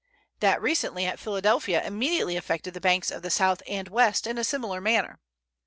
That recently at Philadelphia immediately affected the banks of the South and West in a similar manner.